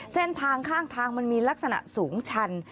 เส้นทางข้างทางมันมีลักษณะสูงชัน